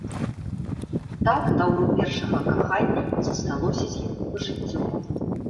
Так таўро першага кахання засталося з ім пажыццёва.